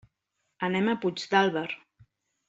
Anem a Puigdàlber.